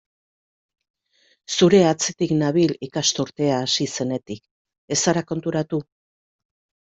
Zure atzetik nabil ikasturtea hasi zenetik, ez zara konturatu?